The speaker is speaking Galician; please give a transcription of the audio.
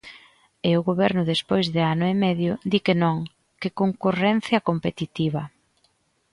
E o Goberno, despois de ano e medio, di que non, que concorrencia competitiva.